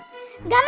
lo udah dong